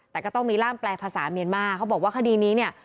แต่ก็ต้องมีร่ามแปลภาษาเมียนมาเขาบอกว่าคดีนี้เนี่ย